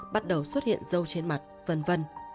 bắt đầu xuất hiện dâu trên mặt v v